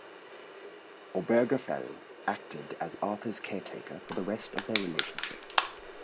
Obergefell acted as Arthur’s caretaker for the rest of their relationship.